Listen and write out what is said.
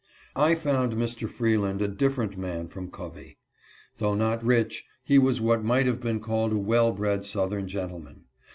I found Mr. Freeland a different man from Covey. Though not rich, he was what might have been called a well bred Southern gentleman.